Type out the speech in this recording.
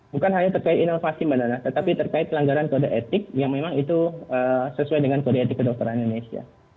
bukan hanya terkait inovasi mbak nana tetapi terkait pelanggaran kode etik yang memang itu sesuai dengan kode etik kedokteran indonesia